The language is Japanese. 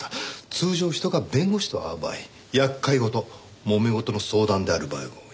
通常人が弁護士と会う場合厄介事もめ事の相談である場合が多い。